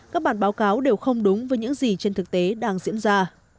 các bản báo cáo đều không đúng với những gì trên thực tế đang diễn ra